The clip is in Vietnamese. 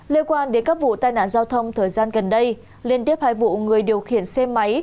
liên quan đến các vụ tai nạn giao thông thời gian gần đây liên tiếp hai vụ người điều khiển xe máy